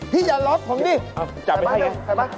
พี่อย่าล๊อคผมดิจับไม่ใช่ไง